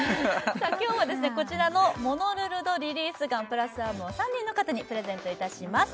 今日はですねこちらのモノルルドリリースガンプラスアームを３名の方にプレゼントいたします